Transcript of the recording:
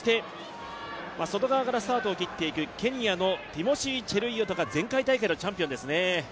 外側からスタートを切っているティモシー・チェルイヨトが前回大会のチャンピオンですね。